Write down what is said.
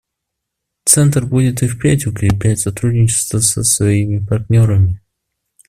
Центр будет и впредь укреплять сотрудничество со своими партнерами.